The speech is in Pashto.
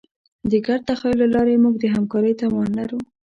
د ګډ تخیل له لارې موږ د همکارۍ توان لرو.